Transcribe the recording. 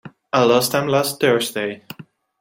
I lost them last Thursday.